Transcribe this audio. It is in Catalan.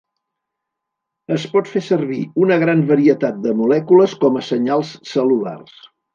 Es pot fer servir una gran varietat de molècules com a senyals cel·lulars.